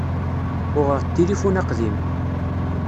Uɣeɣ-d tilifun aqdim.